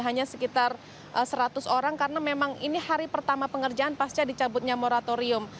hanya sekitar seratus orang karena memang ini hari pertama pengerjaan pasca dicabutnya moratorium